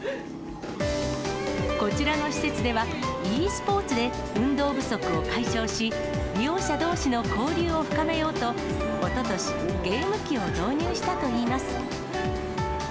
こちらの施設では、ｅスポーツで運動不足を解消し、利用者どうしの交流を深めようと、おととし、ゲーム機を導入したといいます。